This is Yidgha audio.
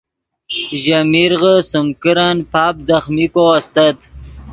ژے میرغے سیم کرن پاپ ځخمیکو استت